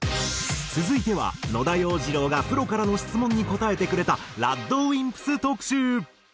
続いては野田洋次郎がプロからの質問に答えてくれたＲＡＤＷＩＭＰＳ特集。